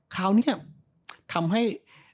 คราวนี้ทำให้